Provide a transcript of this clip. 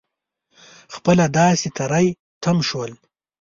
خپله داسې تری تم شول.